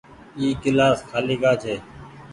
اي گلآس کآلي ڪآ ڇي ۔